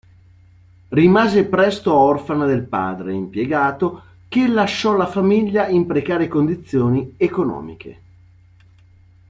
Rimase presto orfana del padre, impiegato, che lasciò la famiglia in precarie condizioni economiche.